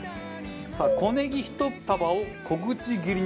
さあ小ネギ１束を小口切りにします。